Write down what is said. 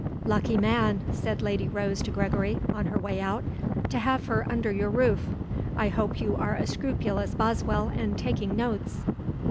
"Lucky man," said Lady Rose to Gregory, on her way out, "to have her under your roof. I hope you are a scrupulous Boswell and taking notes."